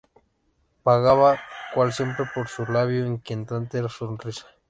vagaba cual siempre, por su labio inquietante sonrisa